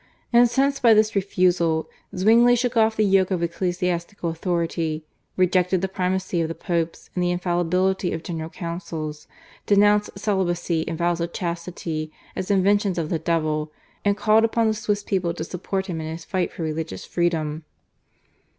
Incensed by this refusal Zwingli shook off the yoke of ecclesiastical authority, rejected the primacy of the Pope, and the infallibility of General Councils, denounced celibacy and vows of chastity as inventions of the devil, and called upon the Swiss people to support him in his fight for religious freedom.